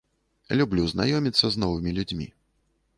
Люблю знаёміцца з новымі людзьмі.